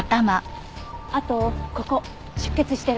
あとここ出血してる。